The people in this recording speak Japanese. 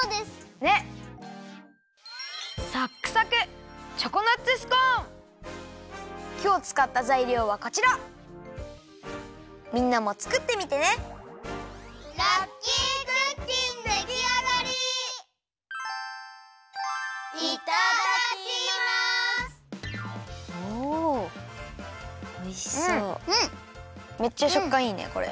めっちゃしょっかんいいねこれ。